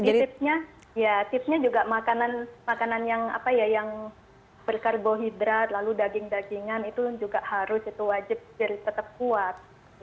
jadi tipsnya juga makanan yang berkarbohidrat lalu daging dagingan itu juga harus itu wajib jadi tetap kuat